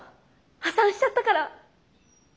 破産しちゃったから。